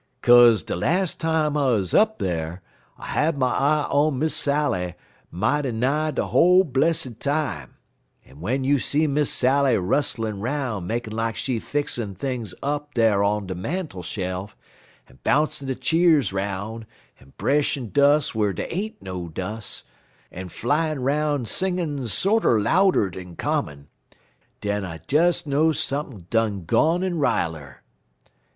"Kase de las' time I uz up dar, I had my eye on Miss Sally mighty nigh de whole blessid time, en w'en you see Miss Sally rustlin' 'roun' makin' lak she fixin' things up dar on de mantle shelf, en bouncin' de cheers 'roun', en breshin' dus' whar dey ain't no dus', en flyin' 'roun' singin' sorter louder dan common, den I des knows sump'n' done gone en rile 'er."